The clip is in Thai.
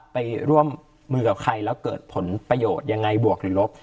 ไปร่วมมือกับใครแล้วเกิดผลประโยชน์ยังไงบวกหรือลบ